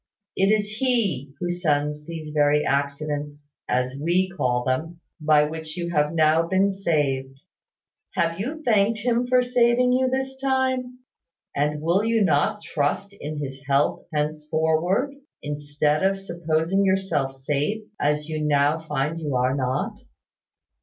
It is He who sends these very accidents (as we call them) by which you have now been saved. Have you thanked Him for saving you this time? And will you not trust in His help henceforward; instead of supposing yourself safe, as you now find you are not?